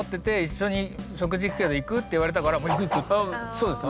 そうですよ。